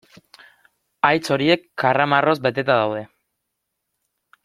Haitz horiek karramarroz beteta daude.